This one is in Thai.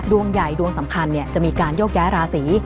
ดวงใหญ่ดวงสำคัญจะมีการโยกย้ายราศี